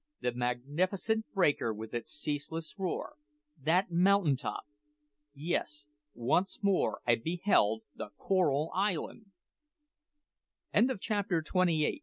that magnificent breaker with its ceaseless roar that mountain top! Yes, once more I beheld the Coral Island! CHAPTER TWENTY NINE.